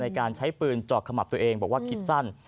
ในการใช้ปืนจอกขมับตัวเองบอกว่าคิดสั้น